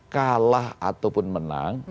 kalah ataupun menang